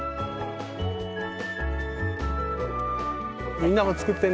みんなも作ってね。